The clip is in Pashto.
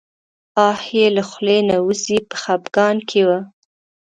آه یې له خولې نه وځي په خپګان کې و.